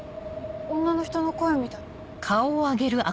女の人の声みたい。